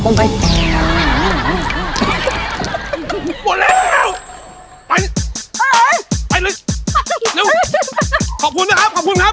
ขอบคุณครับขอบคุณครับขอบคุณครับ